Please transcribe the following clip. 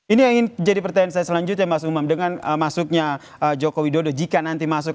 ini yang ingin jadi pertanyaan saya selanjutnya mas umam dengan masuknya joko widodo jika nanti masuk